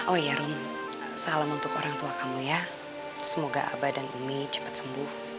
oh ya rumi salam untuk orang tua kamu ya semoga abah dan umi cepat sembuh